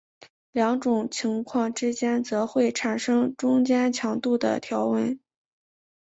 两种情况之间则会产生中间强度的条纹。